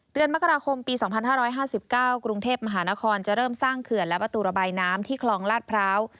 เดือนมกราคมปี๒๕๕๙กรุงเทพมหานครจะเริ่มสร้างเขื่อนและประตูระบายน้ำที่คลองลาดพร้าว